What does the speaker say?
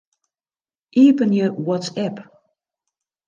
Iepenje WhatsApp.